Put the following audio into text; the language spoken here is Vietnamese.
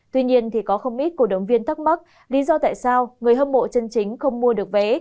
tuy nhiên thì có không ít cổ động viên thắc mắc lý do tại sao người hâm mộ chân chính không mua được vé